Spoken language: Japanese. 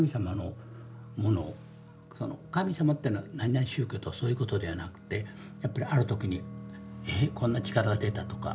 神様ってのは何々宗教とかそういうことではなくてやっぱりある時にえっこんな力が出たとか。